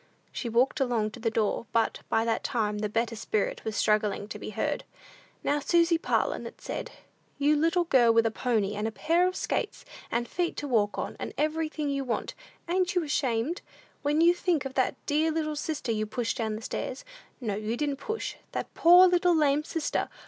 She walked along to the door, but, by that time, the better spirit was struggling to be heard. "Now, Susy Parlin," it said, "you little girl with a pony, and a pair of skates, and feet to walk on, and everything you want, ain't you ashamed, when you think of that dear little sister you pushed down stairs no, didn't push that poor little lame sister!